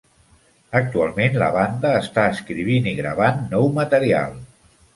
Actualment la banda està escrivint i gravant nou material.